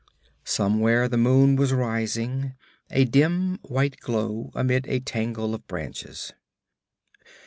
Somewhere the moon was rising, a dim white glow amidst a tangle of branches.